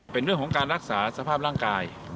เป็นเรื่องของการรักษาสภาพร่างกาย